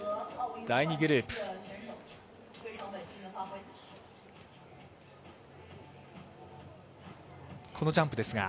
第２グループ。